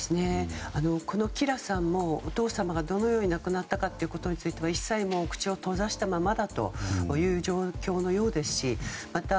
このキラさんもお父様が、どのように亡くなったかということについて一切、口を閉ざしたままだという状況のようですしまた